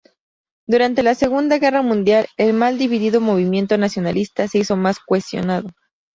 Durante la Segunda Guerra Mundial, el mal dividido movimiento nacionalista se hizo más cohesionado.